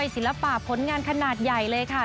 ศิลปะผลงานขนาดใหญ่เลยค่ะ